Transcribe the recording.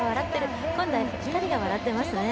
今度は２人が笑ってますね。